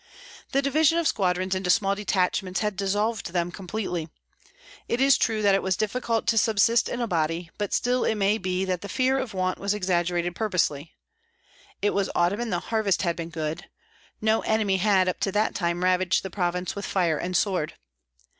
The division of squadrons into small detachments had dissolved them completely. It is true that it was difficult to subsist in a body, but still it may be that the fear of want was exaggerated purposely. It was autumn, and the harvest had been good; no enemy had up to that time ravaged the province with fire and sword.